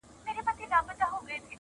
« که مي څوک په فقیری شمېري فقیر سم!!